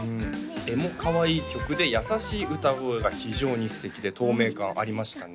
エモかわいい曲で優しい歌声が非常に素敵で透明感ありましたね